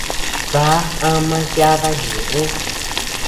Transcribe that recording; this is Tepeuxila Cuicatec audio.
Kaa ama yáda ñëʼe.